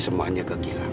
semuanya ke gilang